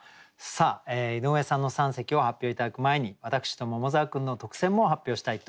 さあ井上さんの三席を発表頂く前に私と桃沢君の特選も発表したいと思います。